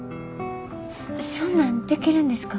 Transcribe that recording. そんなんできるんですか？